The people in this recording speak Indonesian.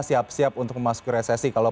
siap siap untuk memasuki resesi kalau